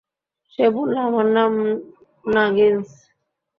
সে বলল, আমার নাম নাগিন্স।